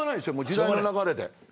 時代の流れで。